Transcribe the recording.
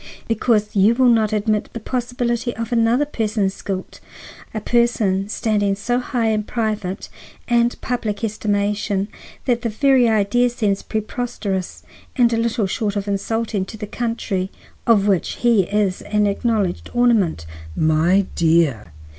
Because you will not admit the possibility of another person's guilt,—a person standing so high in private and public estimation that the very idea seems preposterous and little short of insulting to the country of which he is an acknowledged ornament." "My dear!"